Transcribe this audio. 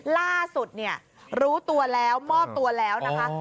ล่าสุดเนี่ยรู้ตัวแล้วมอบตัวแล้วนะคะ